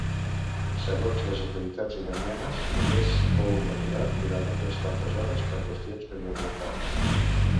Segons les autoritats iranianes només fou aturat durant unes quantes hores per qüestions mediambientals.